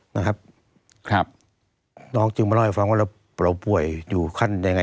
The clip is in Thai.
น้องต้องลองให้ฟังว่าปล่าวป่วยอยู่ขั้นไหน